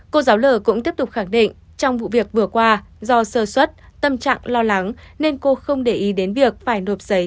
cô giáo l cũng tiếp tục khẳng định trong vụ việc vừa qua do sơ xuất tâm trạng lo lắng nên cô không để ý đến việc phải nộp giấy